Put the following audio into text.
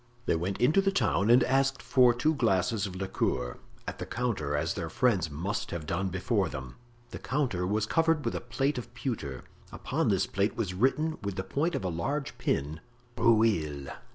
They went into the town and asked for two glasses of liqueur, at the counter—as their friends must have done before them. The counter was covered with a plate of pewter; upon this plate was written with the point of a large pin: "Rueil...